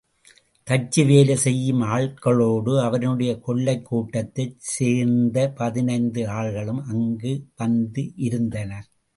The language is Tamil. தச்சுவேலை செய்யும் ஆள்களோடு அவனுடைய கொள்ளைக்கூட்டத்தைச் சேர்ந்த பதினைந்து ஆள்களும் அங்கு வந்து இருந்தனர்.